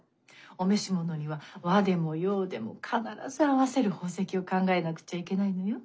お召し物には和でも洋でも必ず合わせる宝石を考えなくちゃいけないのよ。